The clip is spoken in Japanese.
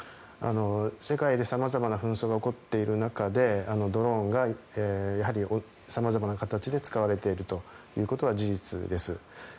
世界で様々な紛争が起こっている中でドローンが様々な形で使われているということは事実です。